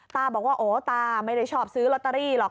ตาบอกว่าโอ้ตาไม่ได้ชอบซื้อลอตเตอรี่หรอก